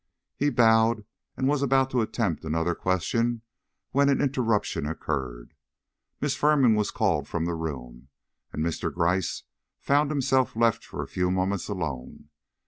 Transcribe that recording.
He bowed and was about to attempt another question, when an interruption occurred. Miss Firman was called from the room, and Mr. Gryce found himself left for a few moments alone.